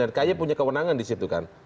dan kayi punya kewenangan di situ kan